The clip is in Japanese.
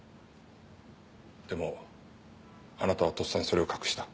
でもあなたはとっさにそれを隠した。